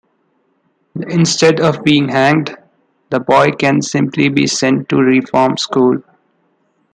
Instead of being hanged, the boy can simply be sent to reform school.